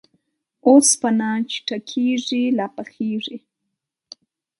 اوسپنه چې ټکېږي ، لا پخېږي.